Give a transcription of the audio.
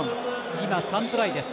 今、３トライです。